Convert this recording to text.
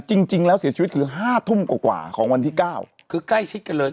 จริงแล้วเสียชีวิตคือห้าทุ่มกว่าของวันที่เก้าคือใกล้ชิดกันเลย